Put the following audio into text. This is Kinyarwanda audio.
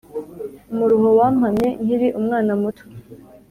umuruho wampamye nkiri umwana muto